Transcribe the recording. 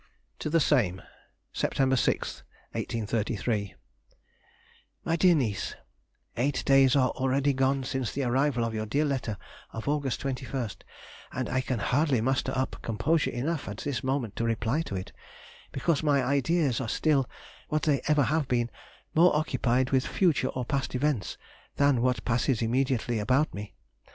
[Sidenote: 1833. Retrospection.] TO THE SAME. Sept. 6, 1833. MY DEAR NIECE,— Eight days are already gone since the arrival of your dear letter of August 21st, and I can hardly muster up composure enough at this moment to reply to it, because my ideas are still, what they ever have been, more occupied with future or past events than what passes immediately about me.